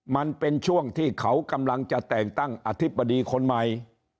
มันเป็นช่วงที่เขากำลังจะแต่งตั้งอธิบดีคนใหม่